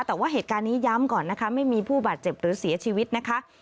แต่ว่าเหตุการณ์นี้ย้ำก่อนนะคะไม่มีผู้บาดเจ็บหรือเสียชีวิตนะคะ